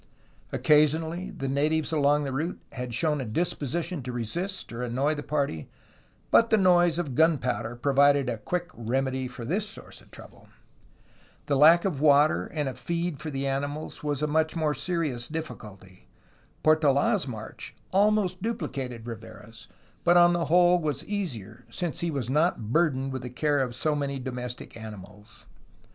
Occasionally the natives along the route had shown a disposition to resist or annoy the party, but the noise of gunpowder provided a quick remedy for this source of trouble. The lack of water and of feed for the animals was a much more serious difficulty. Portola' s march almost dupHcated Rivera's, but on the whole was easier, since he was not burdened with the care of so many 224 A HISTORY OF CALIFORNIA domestic animals.